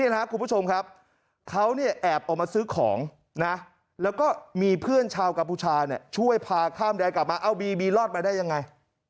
แล้วก็มีเพื่อนชาวกับผู้ชาเนี่ยช่วยพาข้ามแดงกลับมาเอาบีบีรอดมาได้ยังไง